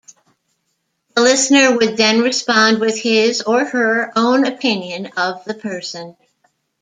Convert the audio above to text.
The listener would then respond with his or her own opinion of the person.